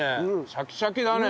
シャキシャキだね。